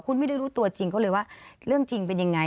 คุณไม่ได้รู้ตัวจริงเขาเลยว่าเรื่องจริงเป็นยังไง